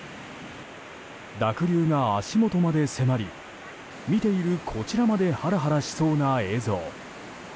濁流が足元まで迫り見ているこちらまでハラハラしそうな映像。